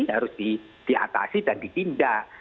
harus diatasi dan ditindak